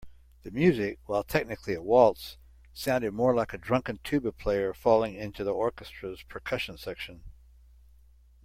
The music, while technically a waltz, sounded more like a drunken tuba player falling into the orchestra's percussion section.